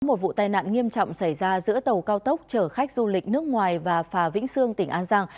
một vụ tai nạn nghiêm trọng xảy ra giữa tàu cao tốc chở khách du lịch nước ngoài và phà vĩnh sương tỉnh an giang